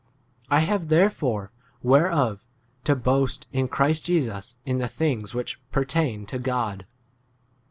I have therefore [whereof] to boast in Christ Jesus d in the things which pertain to God.